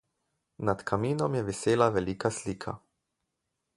Nad kaminom je visela velika slika.